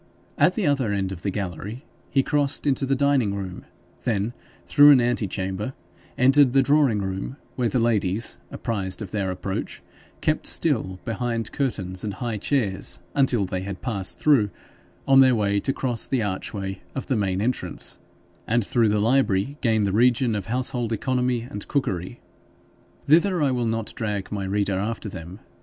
At the other end of the gallery he crossed into the dining room, then through an ante chamber entered the drawing room, where the ladies, apprised of their approach, kept still behind curtains and high chairs, until they had passed through, on their way to cross the archway of the main entrance, and through the library gain the region of household economy and cookery. Thither I will not drag my reader after them.